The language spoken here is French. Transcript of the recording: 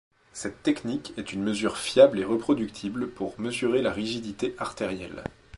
Cette technique est une mesure fiable et reproductible pour mesurer la rigidité artérielle.